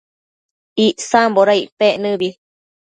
Icsamboda icpec nëbi?